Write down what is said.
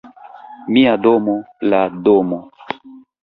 Mia domo, la domo.